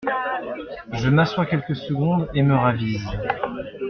Je m’assois quelques secondes et me ravise.